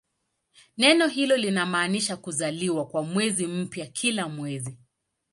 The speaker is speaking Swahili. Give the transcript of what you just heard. Neno hilo linamaanisha "kuzaliwa" kwa mwezi mpya kila mwezi.